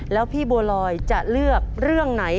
แล้วพี่บัวลอยจะเลือกเรื่องไหน